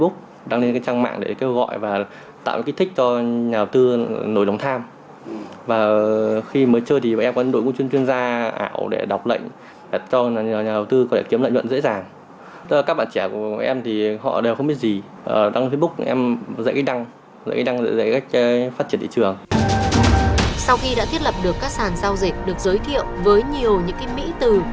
sau khi đã thiết lập được các sàn giao dịch được giới thiệu với nhiều những kinh mỹ từ